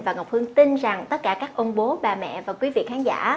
và ngọc hưng tin rằng tất cả các ông bố bà mẹ và quý vị khán giả